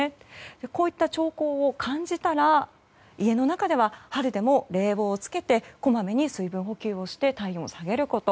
こういった兆候を感じたら家の中では春でも冷房を付けてこまめに水分補給をして体温を下げること。